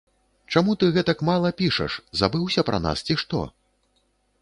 Чаму ты гэтак мала пішаш, забыўся пра нас, ці што?